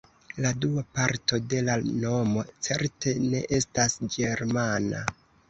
La dua parto de la nomo certe ne estas ĝermana.